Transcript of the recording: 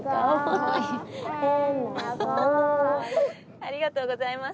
ありがとうございます。